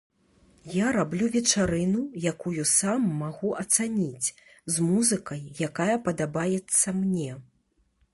Я раблю вечарыну, якую сам магу ацаніць, з музыкай, якая падабаецца мне.